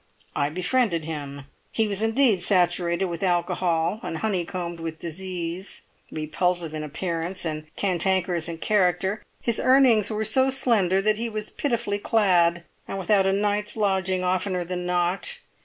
I befriended him. He was indeed saturated with alcohol and honeycombed with disease; repulsive in appearance, and cantankerous in character, his earnings were so slender that he was pitifully clad, and without a night's lodging oftener than not.